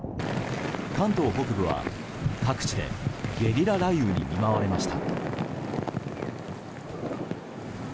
関東北部は各地でゲリラ雷雨に見舞われました。